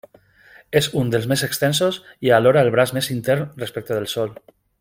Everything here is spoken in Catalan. És un dels més extensos, i alhora el braç més intern respecte del Sol.